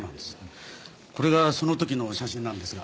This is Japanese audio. これがその時の写真なんですが。